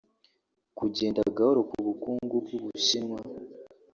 Kugenda gahoro k’ubukungu bw’u Bushinwa